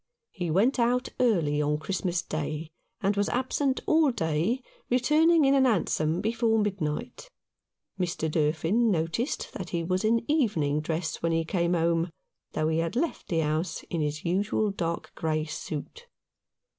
He went out early on Christmas Day, and was absent all day, returning in a hansom before midnight. Mr. Durfin noticed that he was in evening dress when he came home, though he had left the house in his usual dark grey suit.